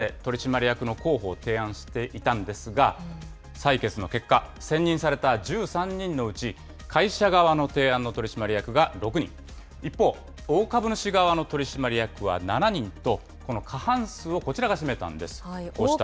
総会では、会社側と対立する大株主の資産運用会社が、それぞれ取締役の候補を提案していたんですが、採決の結果、選任された１３人のうち、会社側の提案の取締役が６人、一方、大株主側の取締役は７人と、この過半数をこちらが占めたんです。